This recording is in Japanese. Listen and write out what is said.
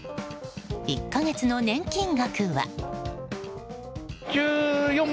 １か月の年金額は。